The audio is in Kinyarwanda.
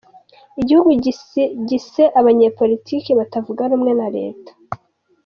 Igihugu gise abanyepolitike batavuga rumwe na leta.